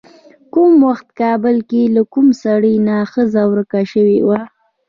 کوم وخت کابل کې له کوم سړي نه ښځه ورکه شوې وه.